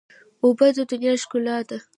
اوبه د دنیا ښکلا ده.